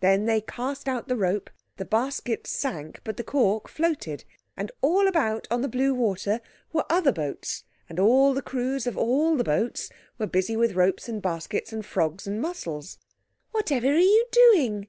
Then they cast out the rope, the baskets sank, but the cork floated. And all about on the blue water were other boats and all the crews of all the boats were busy with ropes and baskets and frogs and mussels. "Whatever are you doing?"